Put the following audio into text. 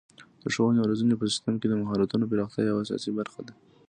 د ښوونې او روزنې په سیستم کې د مهارتونو پراختیا یوه اساسي برخه ده.